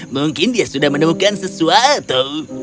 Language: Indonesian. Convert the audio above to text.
mungkin dia sudah menemukan sesuatu